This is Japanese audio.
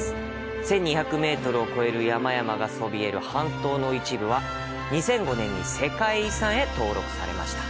１２００メートルを超える山々がそびえる半島の一部は２００５年に世界遺産へ登録されました。